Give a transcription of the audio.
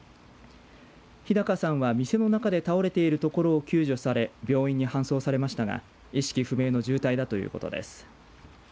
日高さんは店の中で倒れているところを救助され病院に搬送されましたが意識不明の重体だということです。